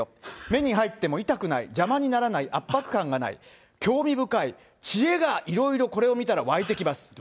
目に入っても痛くない、邪魔にならない、圧迫感がない、興味深い、チエがいろいろ、これが見たら湧いてきます。